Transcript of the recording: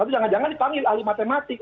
tapi jangan jangan dipanggil ahli matematik